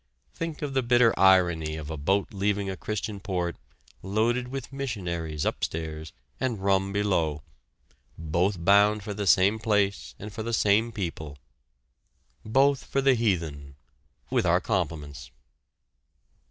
Think of the bitter irony of a boat leaving a Christian port loaded with missionaries upstairs and rum below, both bound for the same place and for the same people both for the heathen "with our comp'ts."